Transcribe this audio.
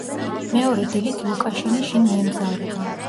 მეორე დილით ლუკაშინი შინ მიემგზავრება.